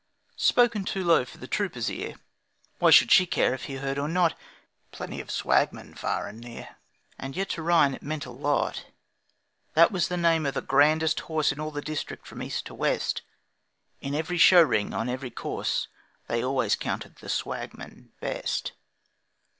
Spoken too low for the trooper's ear, Why should she care if he heard or not? Plenty of swagmen far and near, And yet to Ryan it meant a lot. That was the name of the grandest horse In all the district from east to west In every show ring, on every course They always counted the Swagman best.